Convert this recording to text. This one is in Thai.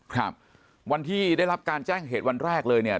ครับวันที่ได้รับการแจ้งเหตุวันแรกเลยเนี่ย